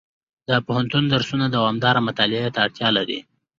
د پوهنتون درسونه د دوامداره مطالعې اړتیا لري.